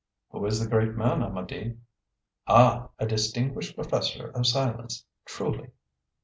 "Who is the great man, Amedee?" "Ah! A distinguished professor of science. Truly."